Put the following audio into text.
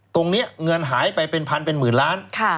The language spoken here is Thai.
เงินหายไปเป็นพันเป็นหมื่นล้าน